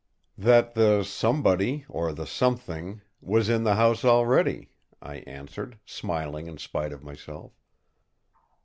"That the somebody—or the something—was in the house already," I answered, smiling in spite of myself.